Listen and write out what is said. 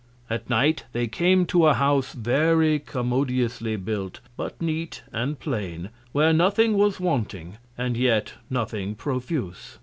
At Night they came to a House very commodiously built, but neat and plain; where nothing was wanting, and yet nothing profuse.